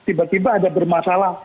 tiba tiba ada bermasalah